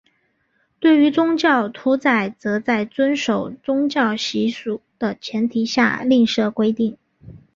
对于宗教屠宰则在遵守宗教习惯的前提下另设规定。